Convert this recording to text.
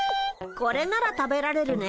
これなら食べられるね。